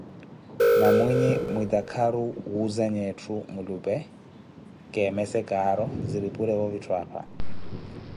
Mamuinyi mwitakaru wuuzanya etthu mwilupee keemese caaro, ziri purevo vitthu apha.